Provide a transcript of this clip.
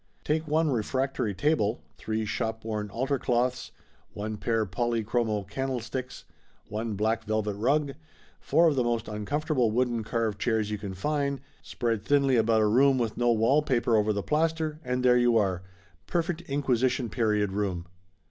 Take one refractory table, three shopworn altar cloths, one pair polly chromo candlesticks, one black velvet rug, four of the most uncomfortable wooden carved chairs you can find, spread thinly about a room with no wall paper over the plaster, and there you are! Perfect Inquisition Period room!"